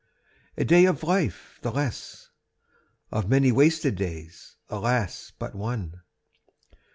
A day of life the less; Of many wasted days, alas, but one!